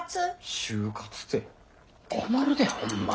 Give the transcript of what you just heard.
終活て困るでホンマ。